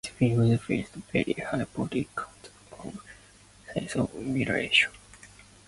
His films featured very high body counts and scenes of mutilation.